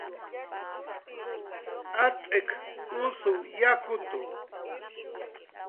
Atz'ik usuw yakutu